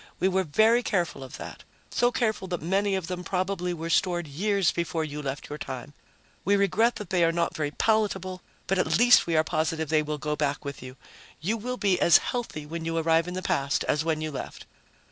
We were very careful of that, so careful that many of them probably were stored years before you left your time. We regret that they are not very palatable, but at least we are positive they will go back with you. You will be as healthy when you arrive in the past as when you left.